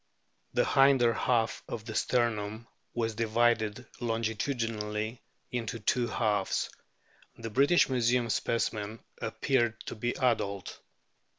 The hinder half of the sternum was divided longitudinally into two halves ; the British Museum specimen appeared to be adult.